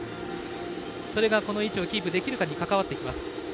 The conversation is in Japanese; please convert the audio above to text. それがこの位置をキープできるかに関わってきます。